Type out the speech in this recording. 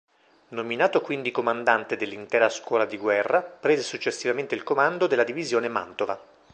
Nominato quindi comandante dell'intera scuola di guerra, prese successivamente il comando della divisione "Mantova".